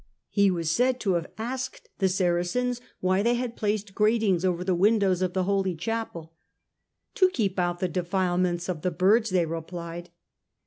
He was said to have asked the Saracens why they had placed gratings over the windows of the Holy Chapel. " To keep out the defilements of the birds," they replied.